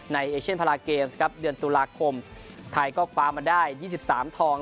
ในเอเชนพาราเกมส์ครับเดือนตุลาคมไทยก็คว้ามาได้ยี่สิบสามทอง